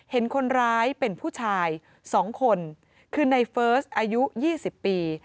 เห็นคนร้ายเป็นผู้ชาย๒คนคือในเฟิร์สอายุ๒๐ปี